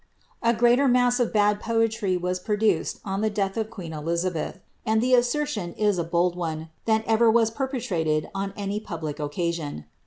A greater mass of bad poetry was produced on ihe death of quEM Elizubeth, (and the assertion is a bold one,) than ever was perpeirsifJ on any public occasion.